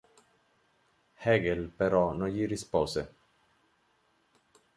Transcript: Hegel però non gli rispose.